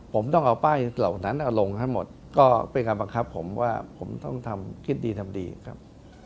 ผมต้องเอาป้ายเหล่านั้นเอาลงให้หมดก็เป็นการบังคับผมว่าผมต้องทำคิดดีทำดีครับ